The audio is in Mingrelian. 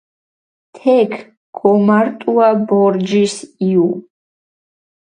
თექ გომარტუა ბორჯის იჸუ.